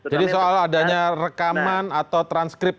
jadi soal adanya rekaman atau transkrip